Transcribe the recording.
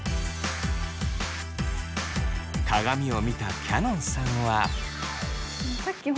鏡を見たきゃのんさんは。